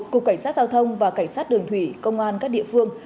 cục cảnh sát giao thông và cảnh sát đường thủy công an các địa phương